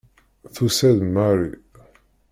Tusa-d Mary.